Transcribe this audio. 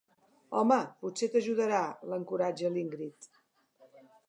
Home, potser t'ajudarà —l'encoratja l'Ingrid—.